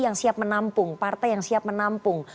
yang siap menampung partai yang siap menampung